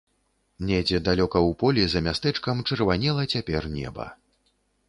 Недзе далёка ў полі за мястэчкам чырванела цяпер неба.